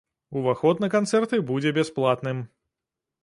Уваход на канцэрты будзе бясплатным.